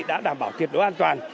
đã đảm bảo tuyệt đối an toàn